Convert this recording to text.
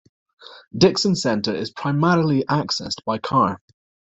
Dickson Centre is primarily accessed by car.